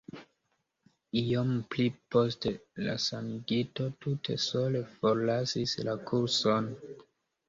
Iom pli poste la sanigito tute sole forlasis la kurson.